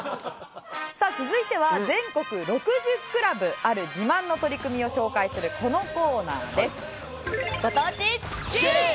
さあ続いては全国６０クラブある自慢の取り組みを紹介するこのコーナーです。